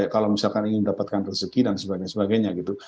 kalau misalkan ingin mendapatkan rezeki dan sebagainya gitu